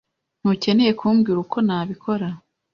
Ntukeneye kumbwira uko nabikora.